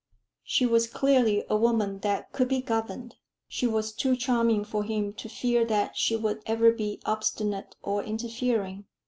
She was clearly a woman that could be governed: she was too charming for him to fear that she would ever be obstinate or interfering.